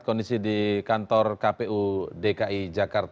kondisi di kantor kpu dki jakarta